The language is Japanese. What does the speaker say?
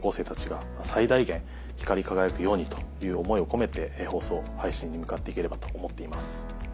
という思いを込めて放送配信に向かって行ければと思っています。